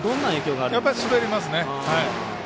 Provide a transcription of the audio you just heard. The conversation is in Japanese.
やっぱり滑りますね。